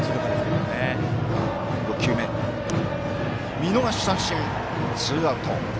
見逃し三振、ツーアウト。